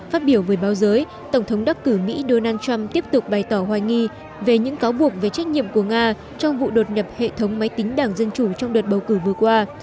phát biểu với báo giới tổng thống đắc cử mỹ donald trump tiếp tục bày tỏ hoài nghi về những cáo buộc về trách nhiệm của nga trong vụ đột nhập hệ thống máy tính đảng dân chủ trong đợt bầu cử vừa qua